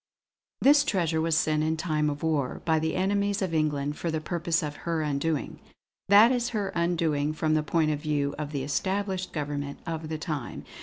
"This treasure was sent, in time of war, by the enemies of England, for the purpose of her undoing that is her undoing from the point of view of the established government of the time.